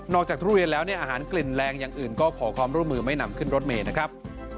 ทุเรียนแล้วเนี่ยอาหารกลิ่นแรงอย่างอื่นก็ขอความร่วมมือไม่นำขึ้นรถเมย์นะครับ